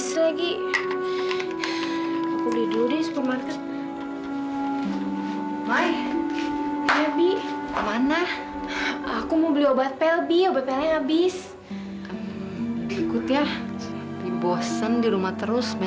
salah aku apa